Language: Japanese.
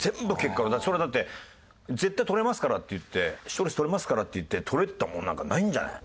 それはだって「絶対取れますから」って言って「視聴率取れますから」って言って取れたものなんかないんじゃない？